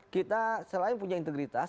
kita selain punya integritas